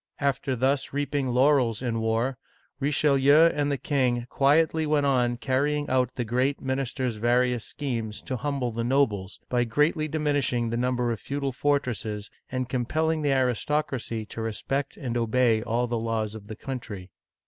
After thus reaping laurels in war, Richelieu and the king quietly went on carrying out the great minister's vari ous schemes to humble the nobles, by greatly diminishing the number of feudal fortresses, and compelling the aris tocracy to respect and obey all the laws of the country.